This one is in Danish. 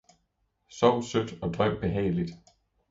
sov sødt og drøm behageligt!